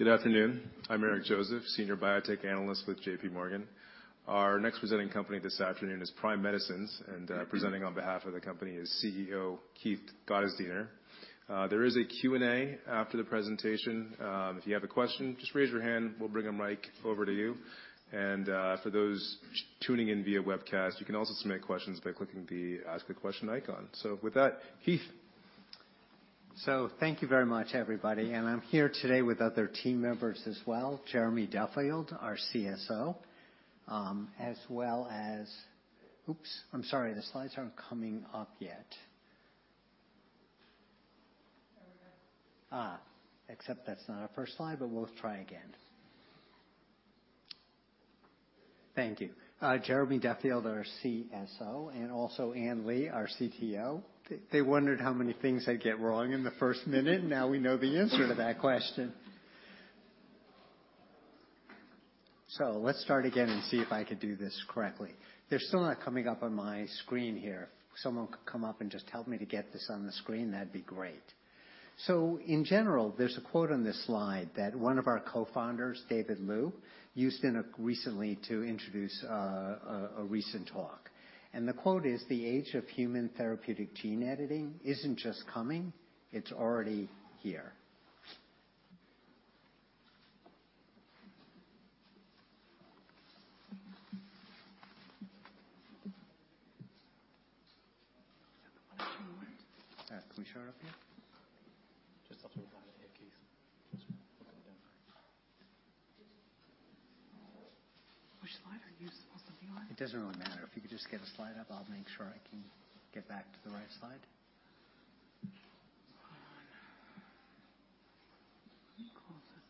Good afternoon. I'm Eric Joseph, Senior Biotech Analyst with J.P. Morgan. Our next presenting company this afternoon is Prime Medicine, and presenting on behalf of the company is CEO Keith Gottesdiener. There is a Q&A after the presentation. If you have a question, just raise your hand, we'll bring a mic over to you. And for those tuning in via webcast, you can also submit questions by clicking the Ask a Question icon. So with that, Keith? So thank you very much, everybody, and I'm here today with other team members as well, Jeremy Duffield, our CSO, as well as... Oops, I'm sorry, the slides aren't coming up yet. There we go. Ah, except that's not our first slide, but we'll try again. Thank you. Jeremy Duffield, our CSO, and also Ann Lee, our CTO. They, they wondered how many things I'd get wrong in the first minute. Now we know the answer to that question. So let's start again and see if I could do this correctly. They're still not coming up on my screen here. If someone could come up and just help me to get this on the screen, that'd be great. So in general, there's a quote on this slide that one of our co-founders, David Liu, used in a recent talk to introduce, and the quote is, "The age of human therapeutic gene editing isn't just coming, it's already here." One more. Can we start up here? Just up to the private here, Keith. Just... Which slide are you supposed to be on? It doesn't really matter. If you could just get a slide up, I'll make sure I can get back to the right slide. Hold on. Let me close this.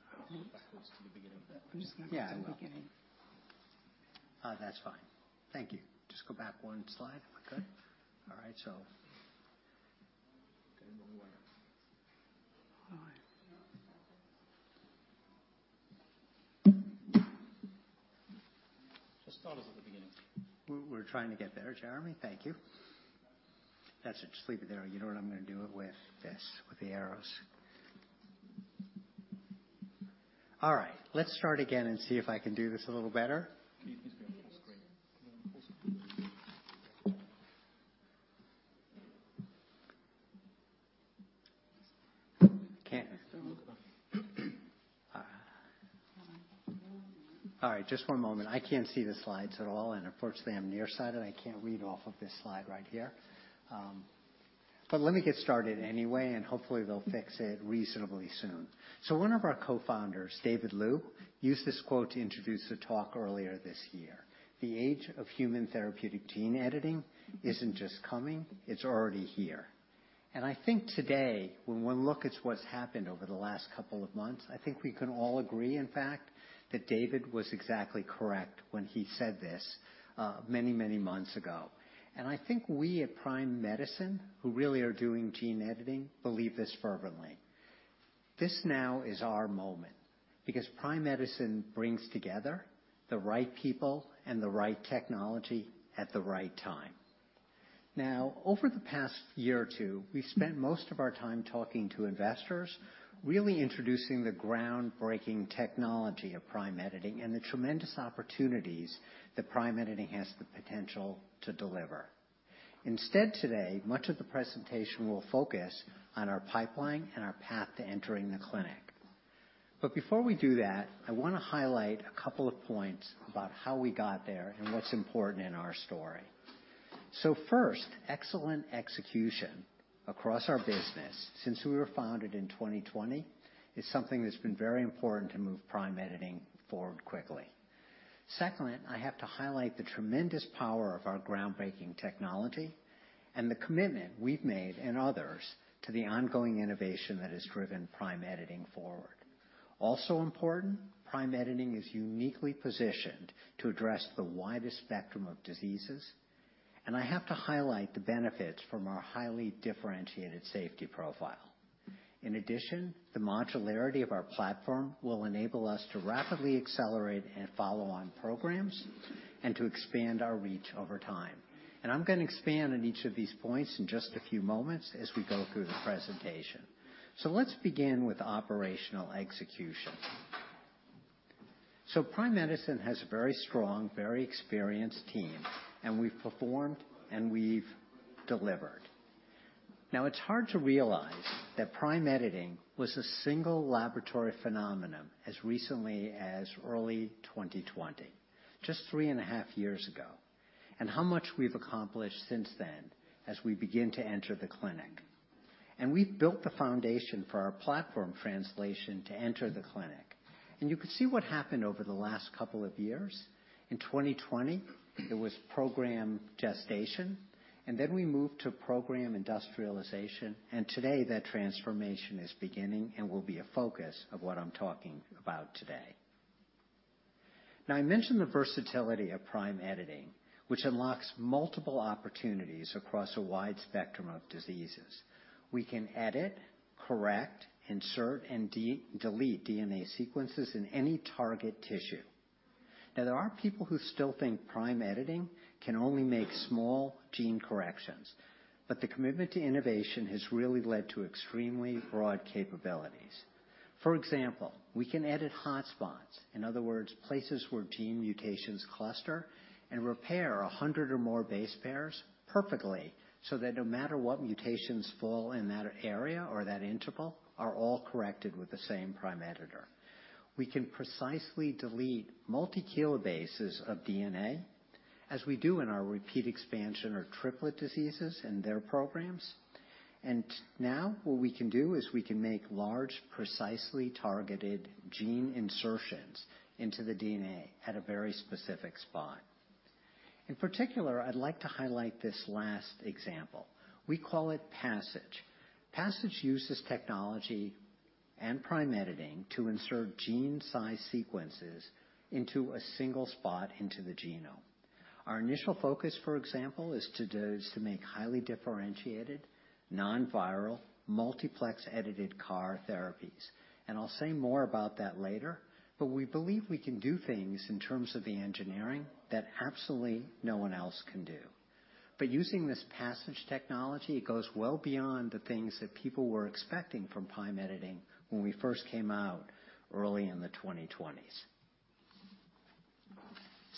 Back to the beginning of that. Yeah, I will. Just go back to the beginning. That's fine. Thank you. Just go back one slide. Okay. All right, so... Going the wrong way. All right. Just start us at the beginning. We're trying to get there, Jeremy. Thank you. That's it. Just leave it there. You know what? I'm gonna do it with this, with the arrows. All right, let's start again and see if I can do this a little better. Keith, you've got the full screen. All right, just one moment. I can't see the slides at all, and unfortunately, I'm nearsighted. I can't read off of this slide right here. But let me get started anyway, and hopefully, they'll fix it reasonably soon. So one of our co-founders, David Liu, used this quote to introduce a talk earlier this year. "The age of human therapeutic gene editing isn't just coming, it's already here." And I think today, when we look at what's happened over the last couple of months, I think we can all agree, in fact, that David was exactly correct when he said this, many, many months ago. And I think we at Prime Medicine, who really are doing gene editing, believe this fervently. This now is our moment because Prime Medicine brings together the right people and the right technology at the right time. Now, over the past year or two, we've spent most of our time talking to investors, really introducing the groundbreaking technology of prime editing and the tremendous opportunities that prime editing has the potential to deliver. Instead, today, much of the presentation will focus on our pipeline and our path to entering the clinic. But before we do that, I wanna highlight a couple of points about how we got there and what's important in our story. So first, excellent execution across our business since we were founded in 2020, is something that's been very important to move prime editing forward quickly. Secondly, I have to highlight the tremendous power of our groundbreaking technology and the commitment we've made in others to the ongoing innovation that has driven Prime Editing forward. Also important, Prime Editing is uniquely positioned to address the widest spectrum of diseases, and I have to highlight the benefits from our highly differentiated safety profile. In addition, the modularity of our platform will enable us to rapidly accelerate and follow on programs and to expand our reach over time. And I'm gonna expand on each of these points in just a few moments as we go through the presentation. So let's begin with operational execution. So Prime Medicine has a very strong, very experienced team, and we've performed, and we've delivered. Now, it's hard to realize that Prime Editing was a single laboratory phenomenon as recently as early 2020, just three and a half years ago, and how much we've accomplished since then as we begin to enter the clinic, and we've built the foundation for our platform translation to enter the clinic. You can see what happened over the last couple of years. In 2020, it was program gestation, and then we moved to program industrialization, and today that transformation is beginning and will be a focus of what I'm talking about today. Now, I mentioned the versatility of Prime Editing, which unlocks multiple opportunities across a wide spectrum of diseases. We can edit, correct, insert, and delete DNA sequences in any target tissue.... Now, there are people who still think Prime Editing can only make small gene corrections, but the commitment to innovation has really led to extremely broad capabilities. For example, we can edit hotspots, in other words, places where gene mutations cluster and repair 100 or more base pairs perfectly, so that no matter what mutations fall in that area or that interval, are all corrected with the same Prime Editor. We can precisely delete multi-kilobases of DNA, as we do in our repeat expansion or triplet diseases and their programs. And now what we can do is we can make large, precisely targeted gene insertions into the DNA at a very specific spot. In particular, I'd like to highlight this last example. We call it PASSIGE. PASSIGE uses technology and Prime Editing to insert gene-sized sequences into a single spot into the genome. Our initial focus, for example, is to make highly differentiated, non-viral, multiplex edited CAR therapies, and I'll say more about that later. We believe we can do things in terms of the engineering that absolutely no one else can do. Using this PASSIGE technology, it goes well beyond the things that people were expecting from Prime Editing when we first came out early in the 2020s.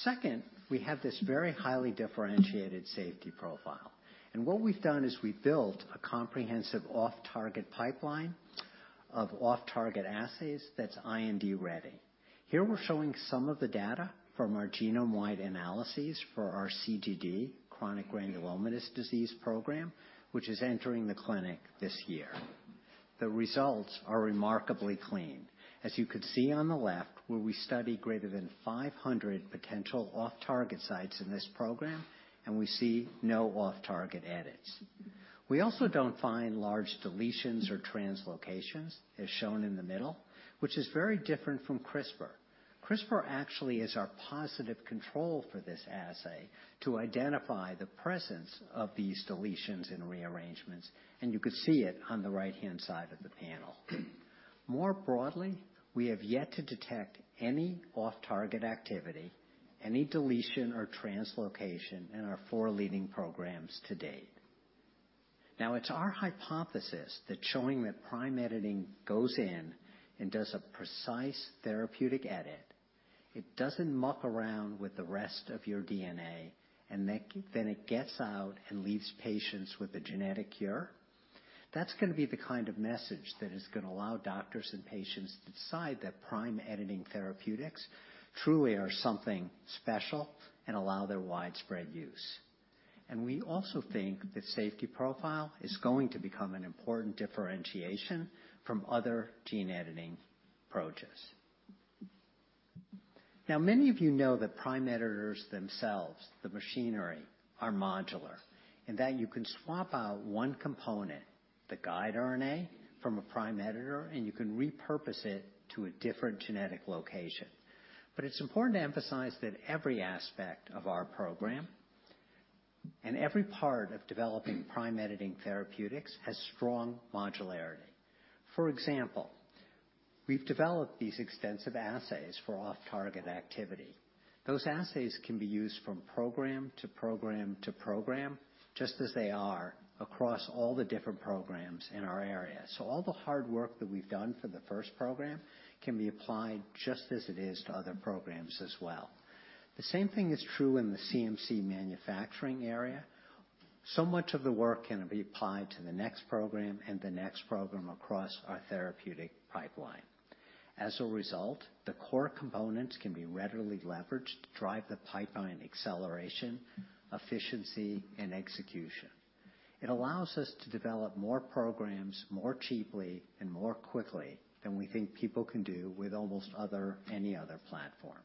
Second, we have this very highly differentiated safety profile, and what we've done is we've built a comprehensive off-target pipeline of off-target assays that's IND-ready. Here we're showing some of the data from our genome-wide analyses for our CGD, chronic granulomatous disease program, which is entering the clinic this year. The results are remarkably clean. As you can see on the left, where we study greater than 500 potential off-target sites in this program, and we see no off-target edits. We also don't find large deletions or translocations, as shown in the middle, which is very different from CRISPR. CRISPR actually is our positive control for this assay to identify the presence of these deletions and rearrangements, and you can see it on the right-hand side of the panel. More broadly, we have yet to detect any off-target activity, any deletion or translocation in our four leading programs to date. Now, it's our hypothesis that showing that prime editing goes in and does a precise therapeutic edit, it doesn't muck around with the rest of your DNA, and then it gets out and leaves patients with a genetic cure. That's gonna be the kind of message that is gonna allow doctors and patients to decide that prime editing therapeutics truly are something special and allow their widespread use. We also think that safety profile is going to become an important differentiation from other gene editing approaches. Now, many of you know that prime editors themselves, the machinery, are modular, and that you can swap out one component, the guide RNA, from a prime editor, and you can repurpose it to a different genetic location. It's important to emphasize that every aspect of our program and every part of developing prime editing therapeutics has strong modularity. For example, we've developed these extensive assays for off-target activity. Those assays can be used from program to program to program, just as they are across all the different programs in our area. So all the hard work that we've done for the first program can be applied just as it is to other programs as well. The same thing is true in the CMC manufacturing area. So much of the work can be applied to the next program and the next program across our therapeutic pipeline. As a result, the core components can be readily leveraged to drive the pipeline acceleration, efficiency, and execution. It allows us to develop more programs, more cheaply and more quickly than we think people can do with almost any other platform.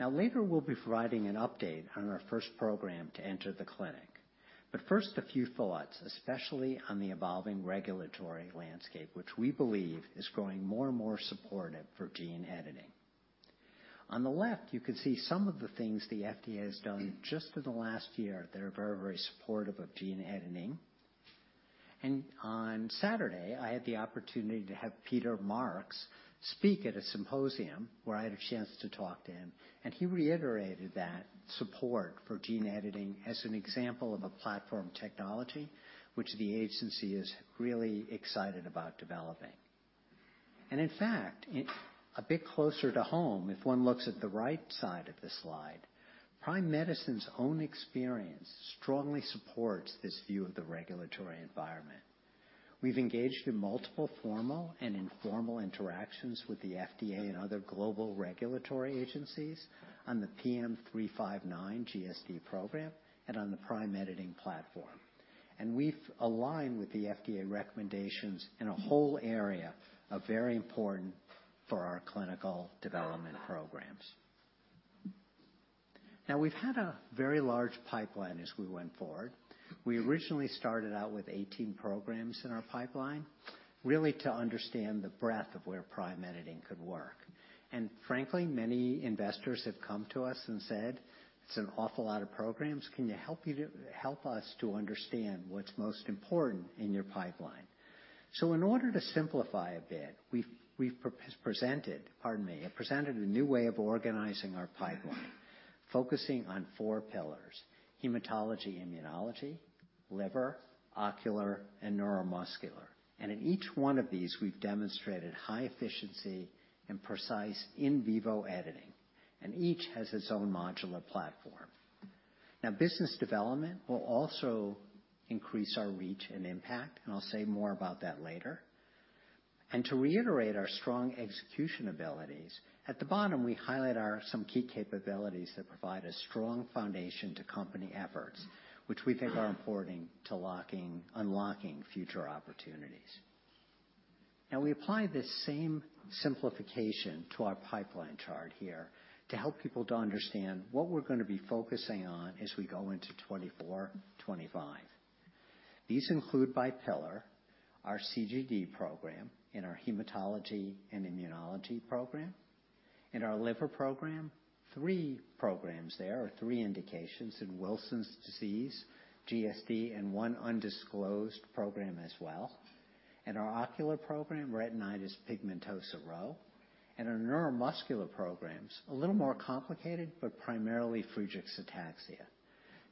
Now, later, we'll be providing an update on our first program to enter the clinic. But first, a few thoughts, especially on the evolving regulatory landscape, which we believe is growing more and more supportive for gene editing. On the left, you can see some of the things the FDA has done just in the last year that are very, very supportive of gene editing. And on Saturday, I had the opportunity to have Peter Marks speak at a symposium where I had a chance to talk to him, and he reiterated that support for gene editing as an example of a platform technology which the agency is really excited about developing. And in fact, a bit closer to home, if one looks at the right side of the slide, Prime Medicine's own experience strongly supports this view of the regulatory environment. We've engaged in multiple formal and informal interactions with the FDA and other global regulatory agencies on the PM359 CGD program and on the Prime Editing Platform. We've aligned with the FDA recommendations in a whole area of very important for our clinical development programs. Now, we've had a very large pipeline as we went forward.... We originally started out with 18 programs in our pipeline, really to understand the breadth of where prime editing could work. And frankly, many investors have come to us and said, "It's an awful lot of programs. Can you help us to understand what's most important in your pipeline?" So in order to simplify a bit, we've presented, pardon me, have presented a new way of organizing our pipeline, focusing on four pillars: hematology, immunology, liver, ocular, and neuromuscular. And in each one of these, we've demonstrated high efficiency and precise in vivo editing, and each has its own modular platform. Now, business development will also increase our reach and impact, and I'll say more about that later. To reiterate our strong execution abilities, at the bottom, we highlight our some key capabilities that provide a strong foundation to company efforts, which we think are important to locking, unlocking future opportunities. Now, we apply this same simplification to our pipeline chart here to help people to understand what we're gonna be focusing on as we go into 2024, 2025. These include by pillar, our CGD program in our hematology and immunology program. In our liver program, three programs there, or three indications in Wilson's disease, GSD, and one undisclosed program as well. In our ocular program, retinitis pigmentosa RHO, and our neuromuscular programs, a little more complicated, but primarily Friedreich's ataxia.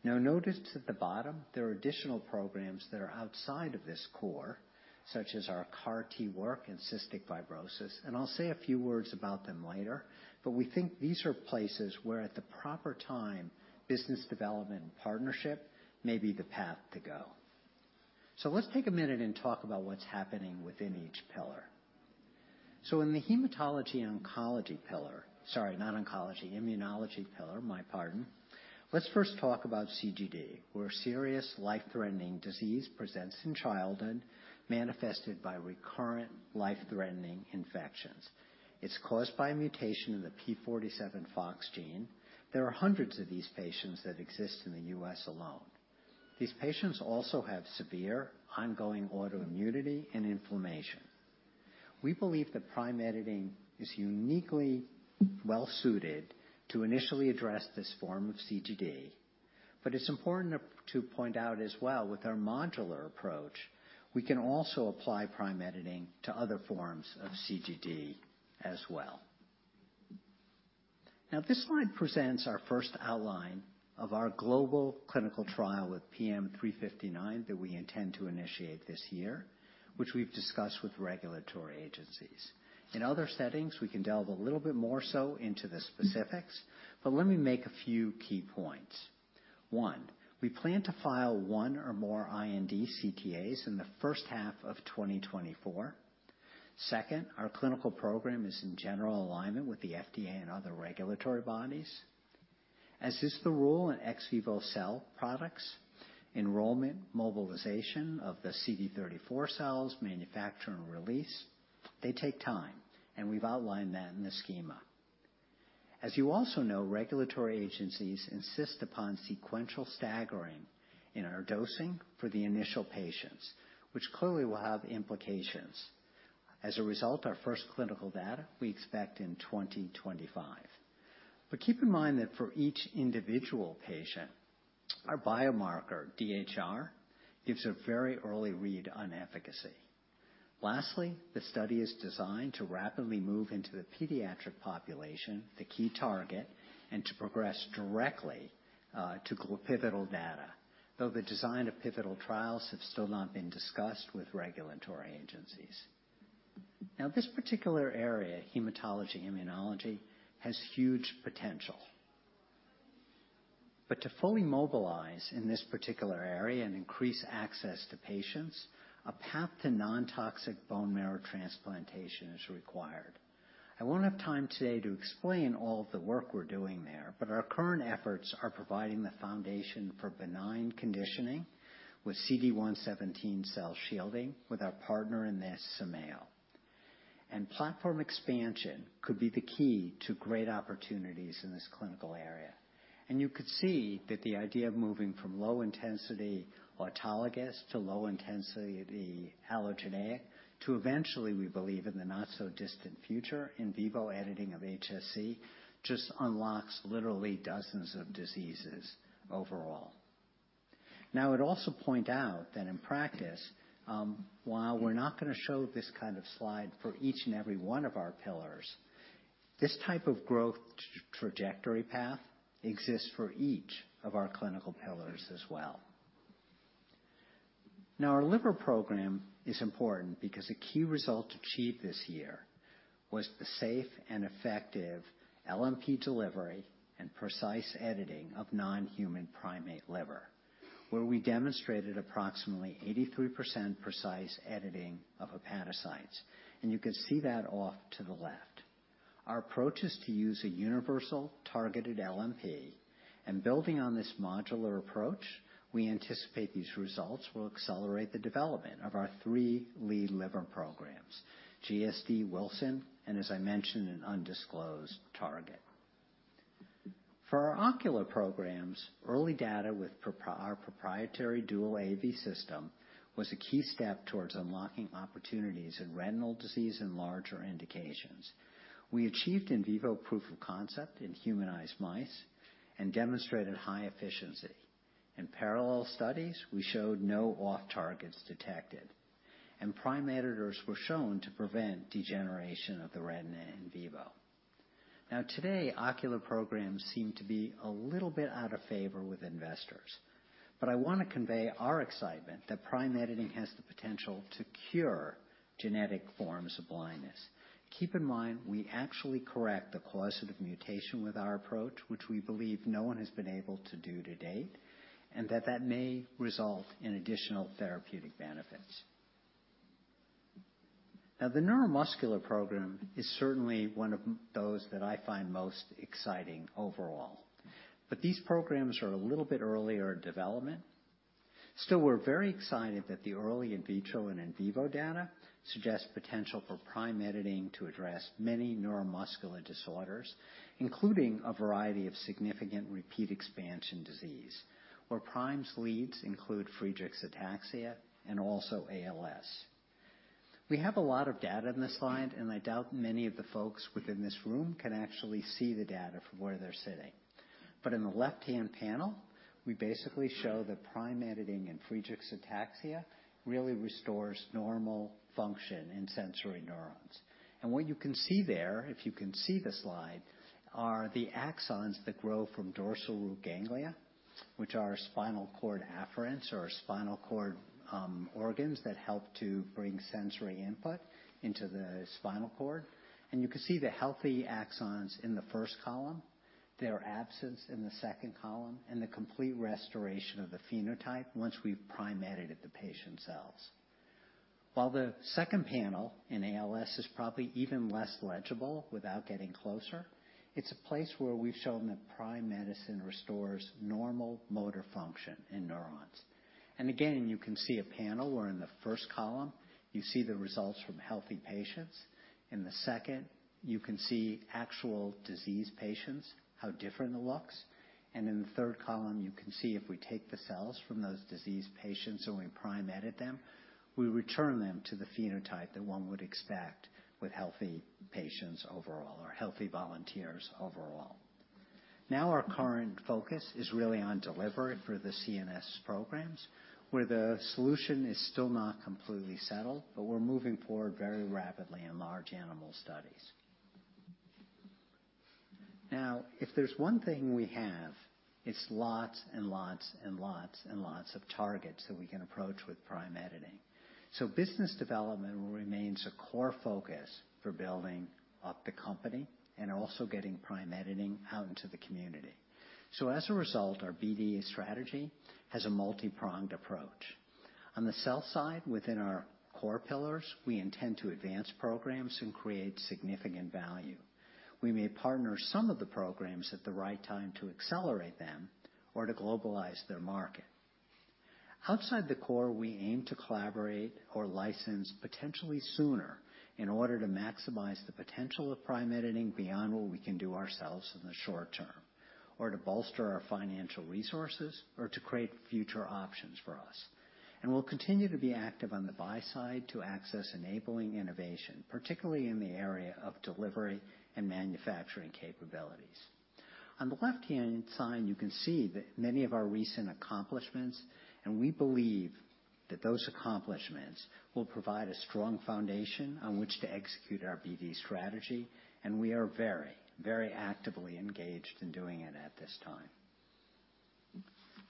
Now, notice at the bottom, there are additional programs that are outside of this core, such as our CAR-T work and cystic fibrosis, and I'll say a few words about them later. But we think these are places where, at the proper time, business development partnership may be the path to go. So let's take a minute and talk about what's happening within each pillar. So in the hematology oncology pillar... Sorry, not oncology, immunology pillar, my pardon. Let's first talk about CGD, where a serious life-threatening disease presents in childhood, manifested by recurrent life-threatening infections. It's caused by a mutation in the p47phox gene. There are hundreds of these patients that exist in the U.S. alone. These patients also have severe ongoing autoimmunity and inflammation. We believe that Prime Editing is uniquely well suited to initially address this form of CGD, but it's important to point out as well, with our modular approach, we can also apply Prime Editing to other forms of CGD as well. Now, this slide presents our first outline of our global clinical trial with PM359 that we intend to initiate this year, which we've discussed with regulatory agencies. In other settings, we can delve a little bit more so into the specifics, but let me make a few key points. One, we plan to file one or more IND CTAs in the first half of 2024. Second, our clinical program is in general alignment with the FDA and other regulatory bodies. As is the rule in ex vivo cell products, enrollment, mobilization of the CD34 cells, manufacture, and release, they take time, and we've outlined that in the schema. As you also know, regulatory agencies insist upon sequential staggering in our dosing for the initial patients, which clearly will have implications. As a result, our first clinical data we expect in 2025. But keep in mind that for each individual patient, our biomarker, DHR, gives a very early read on efficacy. Lastly, the study is designed to rapidly move into the pediatric population, the key target, and to progress directly to pivotal data, though the design of pivotal trials have still not been discussed with regulatory agencies. Now, this particular area, hematology, immunology, has huge potential. But to fully mobilize in this particular area and increase access to patients, a path to non-toxic bone marrow transplantation is required. I won't have time today to explain all of the work we're doing there, but our current efforts are providing the foundation for benign conditioning with CD117 cell shielding with our partner in this, Cimeio. And platform expansion could be the key to great opportunities in this clinical area. And you could see that the idea of moving from low intensity autologous to low intensity allogeneic, to eventually, we believe in the not-so-distant future, in vivo editing of HSC, just unlocks literally dozens of diseases overall. Now, I'd also point out that in practice, while we're not gonna show this kind of slide for each and every one of our pillars, this type of growth trajectory path exists for each of our clinical pillars as well. Now, our liver program is important because a key result achieved this year was the safe and effective LNP delivery and precise editing of non-human primate liver, where we demonstrated approximately 83% precise editing of hepatocytes, and you can see that off to the left. Our approach is to use a universal targeted LNP, and building on this modular approach, we anticipate these results will accelerate the development of our three lead liver programs, GSD, Wilson, and as I mentioned, an undisclosed target. For our ocular programs, early data with our proprietary dual AAV system was a key step towards unlocking opportunities in retinal disease and larger indications. We achieved in vivo proof of concept in humanized mice and demonstrated high efficiency. In parallel studies, we showed no off-targets detected, and Prime Editors were shown to prevent degeneration of the retina in vivo. Now, today, ocular programs seem to be a little bit out of favor with investors, but I want to convey our excitement that Prime Editing has the potential to cure genetic forms of blindness. Keep in mind, we actually correct the causative mutation with our approach, which we believe no one has been able to do to date, and that may result in additional therapeutic benefits. Now, the neuromuscular program is certainly one of those that I find most exciting overall, but these programs are a little bit earlier in development. Still, we're very excited that the early in vitro and in vivo data suggests potential for Prime Editing to address many neuromuscular disorders, including a variety of significant repeat expansion disease, where Prime's leads include Friedreich's ataxia and also ALS. We have a lot of data on this slide, and I doubt many of the folks within this room can actually see the data from where they're sitting. But in the left-hand panel, we basically show that Prime Editing in Friedreich's ataxia really restores normal function in sensory neurons. And what you can see there, if you can see the slide, are the axons that grow from dorsal root ganglia, which are spinal cord afferents or spinal cord organs that help to bring sensory input into the spinal cord. And you can see the healthy axons in the first column, their absence in the second column, and the complete restoration of the phenotype once we've Prime edited the patient cells. While the second panel in ALS is probably even less legible without getting closer, it's a place where we've shown that Prime Medicine restores normal motor function in neurons. And again, you can see a panel where in the first column, you see the results from healthy patients. In the second, you can see actual disease patients, how different it looks. And in the third column, you can see if we take the cells from those diseased patients and we Prime edit them, we return them to the phenotype that one would expect with healthy patients overall or healthy volunteers overall. Now, our current focus is really on delivery for the CNS programs, where the solution is still not completely settled, but we're moving forward very rapidly in large animal studies. Now, if there's one thing we have, it's lots and lots and lots and lots of targets that we can approach with Prime Editing. So business development remains a core focus for building up the company and also getting Prime Editing out into the community. So as a result, our BD strategy has a multi-pronged approach. On the cell side, within our core pillars, we intend to advance programs and create significant value. We may partner some of the programs at the right time to accelerate them or to globalize their market. Outside the core, we aim to collaborate or license potentially sooner in order to maximize the potential of Prime Editing beyond what we can do ourselves in the short term, or to bolster our financial resources, or to create future options for us. We'll continue to be active on the buy side to access enabling innovation, particularly in the area of delivery and manufacturing capabilities. On the left-hand side, you can see the many of our recent accomplishments, and we believe that those accomplishments will provide a strong foundation on which to execute our BD strategy, and we are very, very actively engaged in doing it at this time.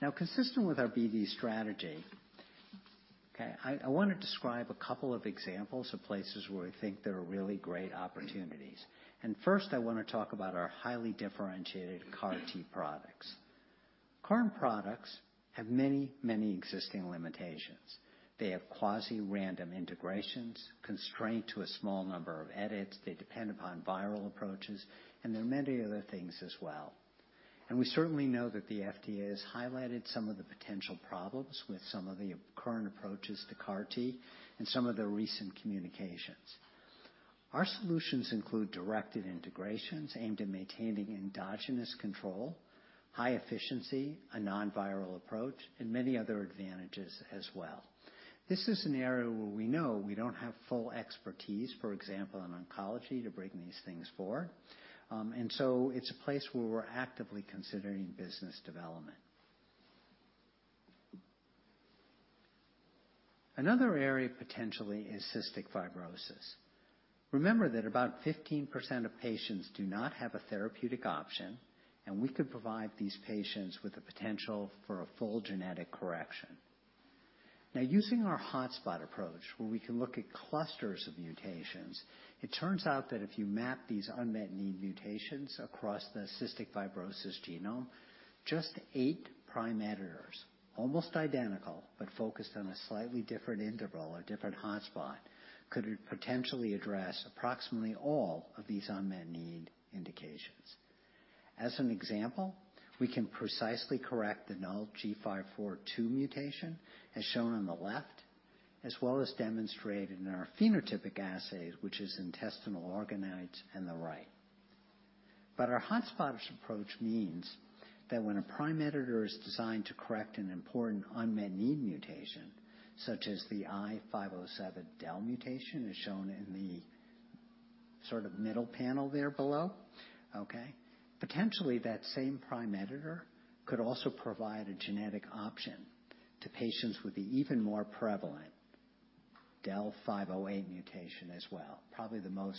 Now, consistent with our BD strategy, I want to describe a couple of examples of places where we think there are really great opportunities. First, I want to talk about our highly differentiated CAR-T products. Current products have many, many existing limitations. They have quasi-random integrations, constraint to a small number of edits, they depend upon viral approaches, and there are many other things as well. We certainly know that the FDA has highlighted some of the potential problems with some of the current approaches to CAR-T in some of their recent communications. Our solutions include directed integrations aimed at maintaining endogenous control, high efficiency, a non-viral approach, and many other advantages as well. This is an area where we know we don't have full expertise, for example, in oncology, to bring these things forward. It's a place where we're actively considering business development. Another area potentially is cystic fibrosis. Remember that about 15% of patients do not have a therapeutic option, and we could provide these patients with the potential for a full genetic correction. Now, using our hotspot approach, where we can look at clusters of mutations, it turns out that if you map these unmet need mutations across the cystic fibrosis genome, just 8 Prime Editors, almost identical, but focused on a slightly different interval or different hotspot, could potentially address approximately all of these unmet need indications. As an example, we can precisely correct the null G542X mutation, as shown on the left, as well as demonstrated in our phenotypic assays, which is intestinal organoids on the right. But our hotspot approach means that when a Prime Editor is designed to correct an important unmet need mutation, such as the I507del mutation, as shown in the sort of middle panel there below, okay? Potentially, that same Prime Editor could also provide a genetic option to patients with the even more prevalent F508del mutation as well, probably the most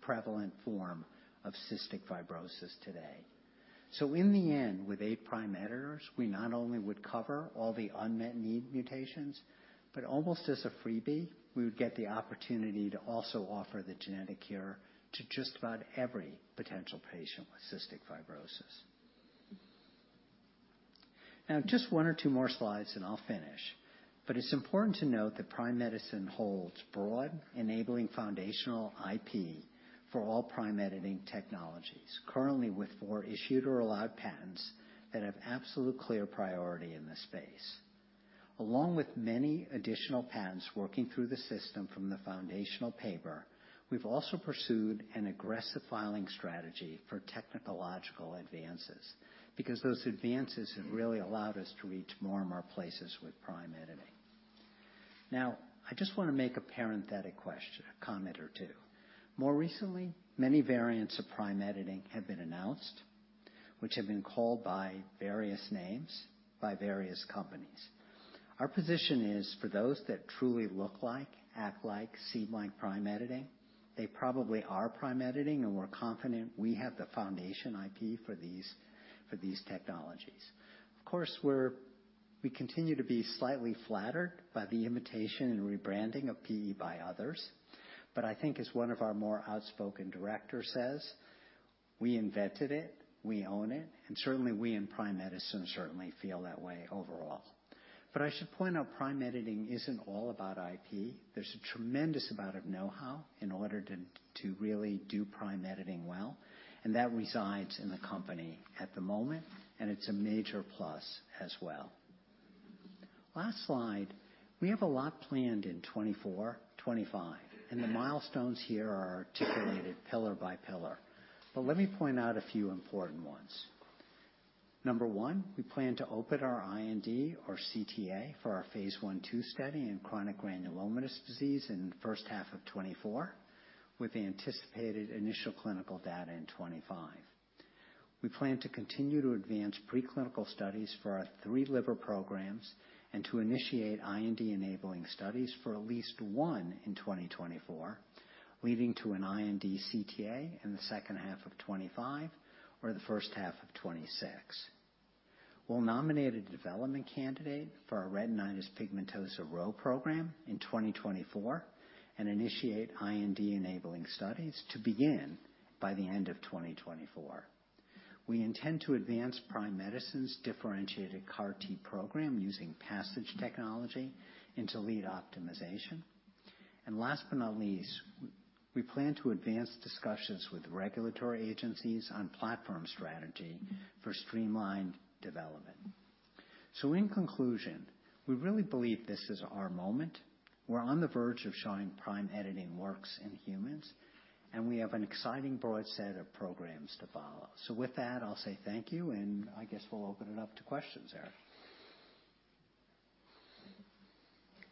prevalent form of cystic fibrosis today. So in the end, with eight Prime Editors, we not only would cover all the unmet need mutations, but almost as a freebie, we would get the opportunity to also offer the genetic cure to just about every potential patient with cystic fibrosis. Now, just one or two more slides, and I'll finish. But it's important to note that Prime Medicine holds broad, enabling foundational IP for all Prime Editing technologies, currently with four issued or allowed patents that have absolute clear priority in this space. Along with many additional patents working through the system from the foundational paper, we've also pursued an aggressive filing strategy for technological advances, because those advances have really allowed us to reach more and more places with Prime Editing. Now, I just want to make a parenthetic question, a comment or two. More recently, many variants of Prime Editing have been announced, which have been called by various names by various companies. Our position is for those that truly look like, act like, seem like Prime Editing, they probably are Prime Editing, and we're confident we have the foundation IP for these, for these technologies. Of course, we continue to be slightly flattered by the imitation and rebranding of PE by others, but I think as one of our more outspoken directors says, "We invented it, we own it," and certainly, we in Prime Medicine certainly feel that way overall. But I should point out, Prime Editing isn't all about IP. There's a tremendous amount of know-how in order to really do Prime Editing well, and that resides in the company at the moment, and it's a major plus as well. Last slide. We have a lot planned in 2024, 2025, and the milestones here are articulated pillar by pillar. But let me point out a few important ones. Number one, we plan to open our IND or CTA for our phase I/II study in chronic granulomatous disease in the first half of 2024, with the anticipated initial clinical data in 2025. We plan to continue to advance preclinical studies for our three liver programs and to initiate IND-enabling studies for at least one in 2024, leading to an IND CTA in the second half of 2025 or the first half of 2026. We'll nominate a development candidate for our retinitis pigmentosa RHO program in 2024 and initiate IND-enabling studies to begin by the end of 2024. We intend to advance Prime Medicine's differentiated CAR-T program using PASSIGE technology into lead optimization. Last but not least, we plan to advance discussions with regulatory agencies on platform strategy for streamlined development. In conclusion, we really believe this is our moment. We're on the verge of showing Prime Editing works in humans, and we have an exciting broad set of programs to follow. So with that, I'll say thank you, and I guess we'll open it up to questions, Eric.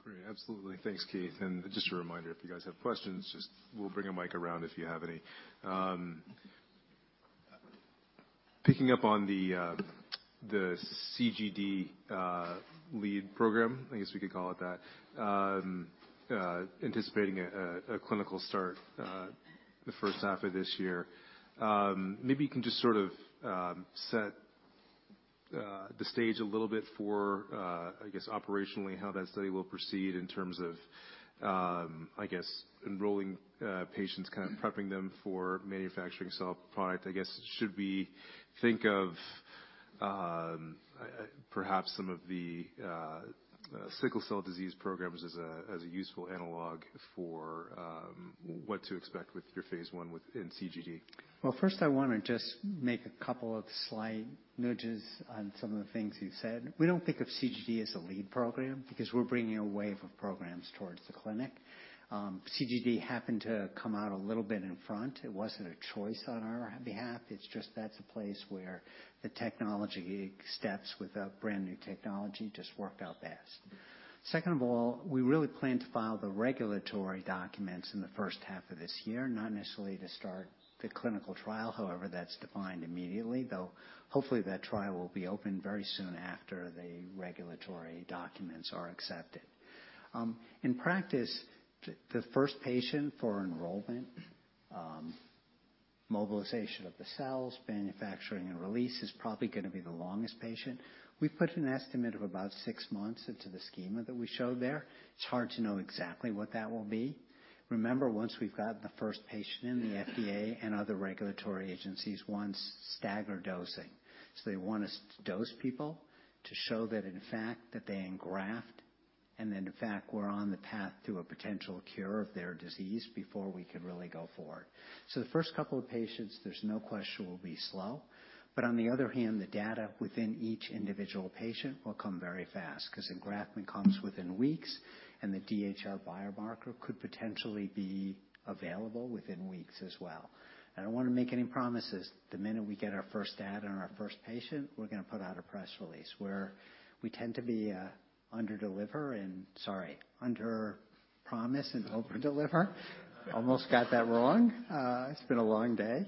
Great. Absolutely. Thanks, Keith. And just a reminder, if you guys have questions, we'll bring a mic around if you have any. Picking up on the CGD lead program, I guess we could call it that, anticipating a clinical start the first half of this year. Maybe you can just sort of set the stage a little bit for I guess operationally, how that study will proceed in terms of I guess enrolling patients, kind of prepping them for manufacturing cell product. I guess should we think of perhaps some of the sickle cell DIsease programs as a useful analog for what to expect with your phase I within CGD? Well, first, I wanna just make a couple of slight nudges on some of the things you said. We don't think of CGD as a lead program because we're bringing a wave of programs towards the clinic. CGD happened to come out a little bit in front. It wasn't a choice on our behalf, it's just that's a place where the technology steps with a brand-new technology just worked out best. Second of all, we really plan to file the regulatory documents in the first half of this year, not necessarily to start the clinical trial, however, that's defined immediately, though, hopefully, that trial will be open very soon after the regulatory documents are accepted. In practice, the first patient for enrollment, mobilization of the cells, manufacturing and release is probably gonna be the longest patient. We've put an estimate of about 6 months into the schema that we showed there. It's hard to know exactly what that will be. Remember, once we've gotten the first patient in, the FDA and other regulatory agencies want stagger dosing. So they want us to dose people to show that, in fact, that they engraft... and then, in fact, we're on the path to a potential cure of their disease before we could really go forward. So the first couple of patients, there's no question, will be slow, but on the other hand, the data within each individual patient will come very fast, 'cause engraftment comes within weeks, and the DHR biomarker could potentially be available within weeks as well. I don't wanna make any promises. The minute we get our first data on our first patient, we're gonna put out a press release, where we tend to be underpromise and overdeliver. Almost got that wrong. It's been a long day.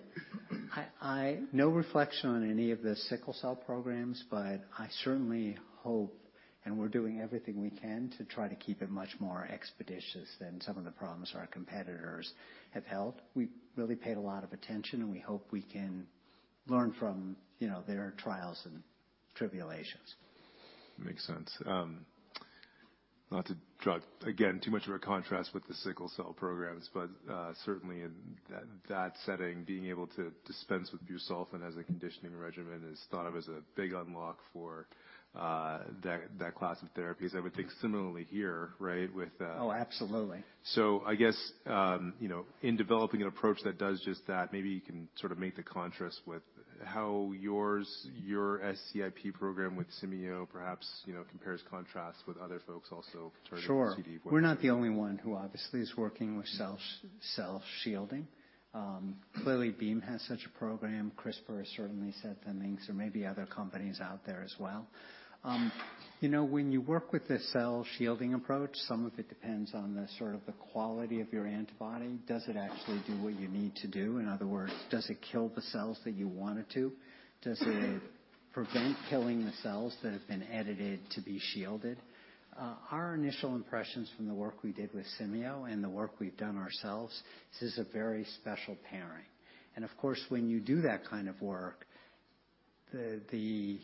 No reflection on any of the sickle cell programs, but I certainly hope, and we're doing everything we can, to try to keep it much more expeditious than some of the promise our competitors have held. We've really paid a lot of attention, and we hope we can learn from, you know, their trials and tribulations. Makes sense. Not to draw, again, too much of a contrast with the Sickle Cell programs, but certainly in that setting, being able to dispense with Busulfan as a conditioning regimen is thought of as a big unlock for that class of therapies. I would think similarly here, right? With Oh, absolutely. So I guess, you know, in developing an approach that does just that, maybe you can sort of make the contrast with how yours, your SCIP program with Cimeio, perhaps, you know, compares, contrasts with other folks also targeting CD117. Sure. We're not the only one who obviously is working with cell, cell shielding. Clearly, Beam has such a program. CRISPR has certainly said things, there may be other companies out there as well. You know, when you work with a cell-shielding approach, some of it depends on the sort of the quality of your antibody. Does it actually do what you need to do? In other words, does it kill the cells that you want it to? Does it prevent killing the cells that have been edited to be shielded? Our initial impressions from the work we did with Cimeio and the work we've done ourselves, this is a very special pairing. And of course, when you do that kind of work, the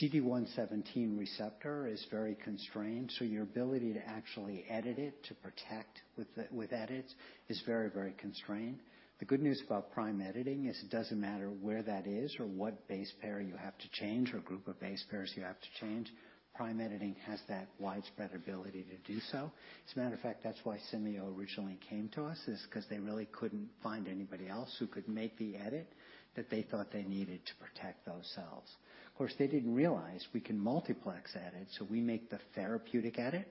CD117 receptor is very constrained, so your ability to actually edit it, to protect with edits, is very, very constrained. The good news about Prime Editing is it doesn't matter where that is or what base pair you have to change, or group of base pairs you have to change, Prime Editing has that widespread ability to do so. As a matter of fact, that's why Cimeio originally came to us, is 'cause they really couldn't find anybody else who could make the edit that they thought they needed to protect those cells. Of course, they didn't realize we can multiplex edit, so we make the therapeutic edit,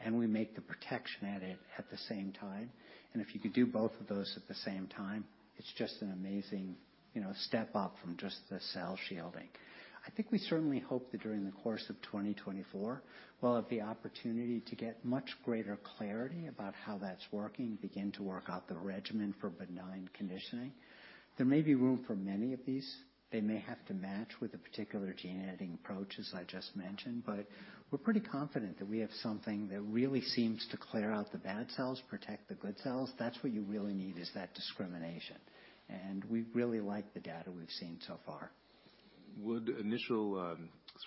and we make the protection edit at the same time. And if you could do both of those at the same time, it's just an amazing, you know, step up from just the cell shielding. I think we certainly hope that during the course of 2024, we'll have the opportunity to get much greater clarity about how that's working, begin to work out the regimen for benign conditioning. There may be room for many of these. They may have to match with a particular gene-editing approach, as I just mentioned, but we're pretty confident that we have something that really seems to clear out the bad cells, protect the good cells. That's what you really need, is that discrimination. And we really like the data we've seen so far. Would initial, sort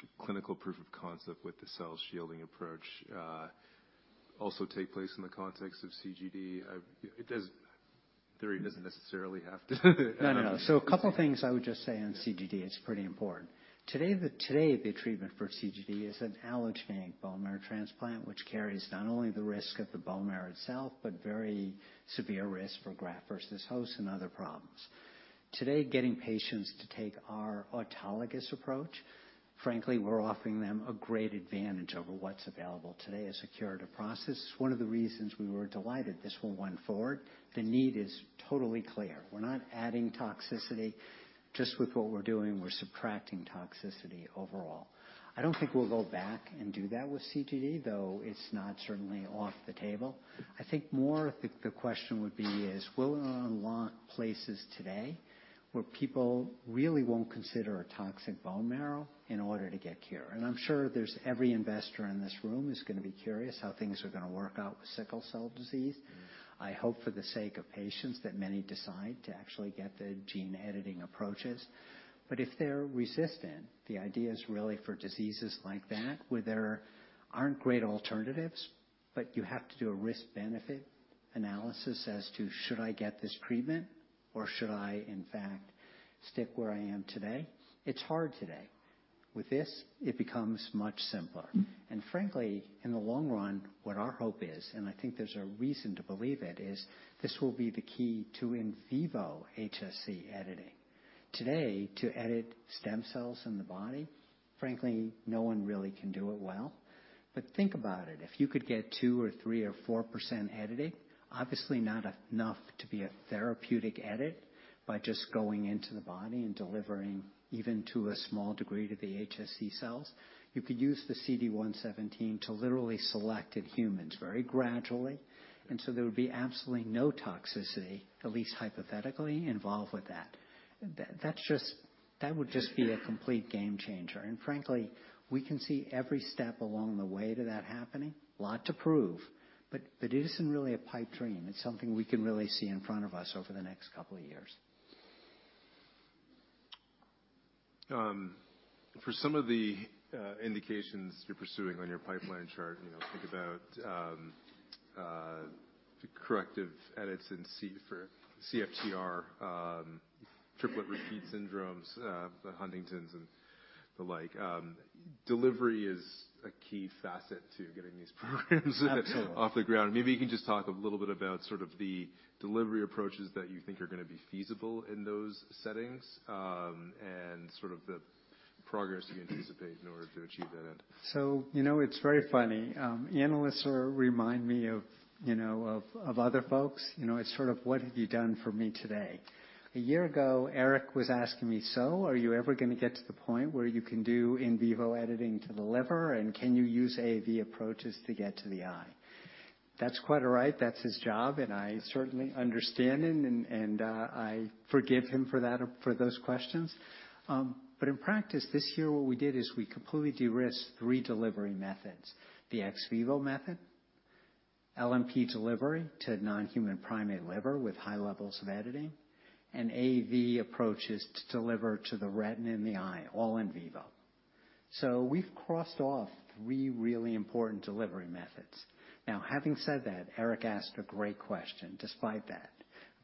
of clinical proof of concept with the cell-shielding approach, also take place in the context of CGD? It does... Theory doesn't necessarily have to - No, no, no. So a couple of things I would just say on CGD, it's pretty important. Today, the treatment for CGD is an allogeneic bone marrow transplant, which carries not only the risk of the bone marrow itself, but very severe risk for graft versus host and other problems. Today, getting patients to take our autologous approach, frankly, we're offering them a great advantage over what's available today as a curative process. One of the reasons we were delighted this will went forward, the need is totally clear. We're not adding toxicity. Just with what we're doing, we're subtracting toxicity overall. I don't think we'll go back and do that with CGD, though it's not certainly off the table. I think more the question would be is: will it unlock places today where people really won't consider a toxic bone marrow in order to get cure? I'm sure there's every investor in this room is gonna be curious how things are gonna work out with Sickle Cell Disease. Mm-hmm. I hope for the sake of patients that many decide to actually get the gene-editing approaches. But if they're resistant, the idea is really for diseases like that, where there aren't great alternatives, but you have to do a risk-benefit analysis as to should I get this treatment or should I, in fact, stick where I am today? It's hard today. With this, it becomes much simpler. And frankly, in the long run, what our hope is, and I think there's a reason to believe it, is this will be the key to in vivo HSC editing. Today, to edit stem cells in the body, frankly, no one really can do it well. But think about it, if you could get 2% or 3% or 4% editing, obviously not enough to be a therapeutic edit, by just going into the body and delivering even to a small degree to the HSC cells, you could use the CD117 to literally select in humans very gradually, and so there would be absolutely no toxicity, at least hypothetically, involved with that. That's just- that would just be a complete game changer. And frankly, we can see every step along the way to that happening. A lot to prove, but, but it isn't really a pipe dream. It's something we can really see in front of us over the next couple of years. For some of the indications you're pursuing on your pipeline chart, you know, think about the corrective edits in C for CFTR, triplet repeat syndromes, the Huntington's and the like. Delivery is a key facet to getting these programs - Absolutely. -off the ground. Maybe you can just talk a little bit about sort of the delivery approaches that you think are gonna be feasible in those settings, and sort of the progress you anticipate in order to achieve that end. So, you know, it's very funny. Analysts remind me of, you know, other folks. You know, it's sort of, "What have you done for me today?" A year ago, Eric was asking me, "So are you ever gonna get to the point where you can do in vivo editing to the liver? And can you use AAV approaches to get to the eye?" That's quite all right. That's his job, and I certainly understand him and, I forgive him for that, for those questions. But in practice, this year, what we did is we completely de-risked three delivery methods: the ex vivo method, LNP delivery to non-human primate liver with high levels of editing, and AAV approaches to deliver to the retina in the eye, all in vivo. So we've crossed off three really important delivery methods. Now, having said that, Eric asked a great question, despite that,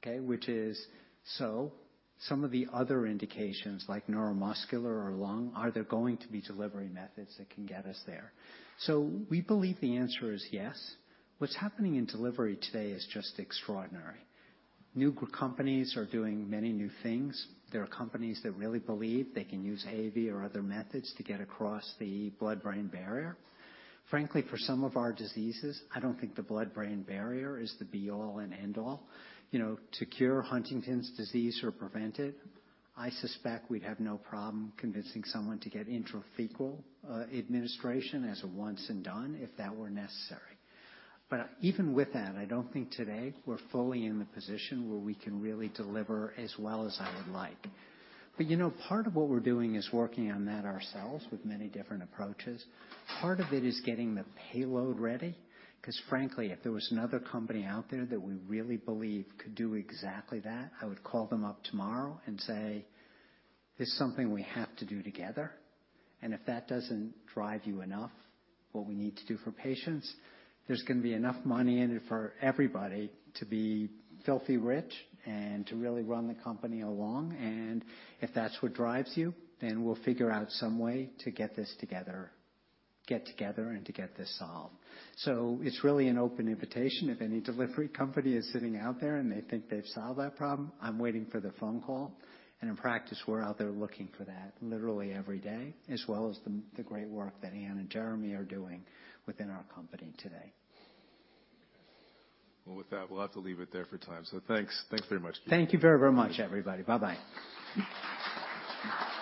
okay? Which is, so some of the other indications, like neuromuscular or lung, are there going to be delivery methods that can get us there? So we believe the answer is yes. What's happening in delivery today is just extraordinary. New companies are doing many new things. There are companies that really believe they can use AAV or other methods to get across the blood-brain barrier. Frankly, for some of our diseases, I don't think the blood-brain barrier is the be all and end all. You know, to cure Huntington's disease or prevent it, I suspect we'd have no problem convincing someone to get intrathecal administration as a once and done, if that were necessary. But even with that, I don't think today we're fully in the position where we can really deliver as well as I would like. But, you know, part of what we're doing is working on that ourselves with many different approaches. Part of it is getting the payload ready, 'cause frankly, if there was another company out there that we really believe could do exactly that, I would call them up tomorrow and say, "This is something we have to do together. And if that doesn't drive you enough, what we need to do for patients, there's gonna be enough money in it for everybody to be filthy rich and to really run the company along. And if that's what drives you, then we'll figure out some way to get this together, get together and to get this solved." So it's really an open invitation. If any delivery company is sitting out there and they think they've solved that problem, I'm waiting for the phone call. And in practice, we're out there looking for that literally every day, as well as the great work that Ann and Jeremy are doing within our company today. Well, with that, we'll have to leave it there for time. So, thanks. Thank you very much. Thank you very, very much, everybody. Bye-bye.